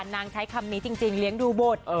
ใช้คำนี้จริงเลี้ยงดูบุตร